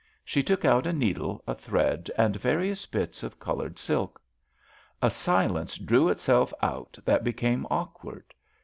She took out a needle, a thread, and various bits of coloured silk. A silence drew itself out that became awkward.